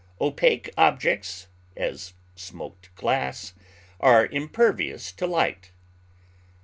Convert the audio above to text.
Opaque objects, as smoked glass, are impervious to light.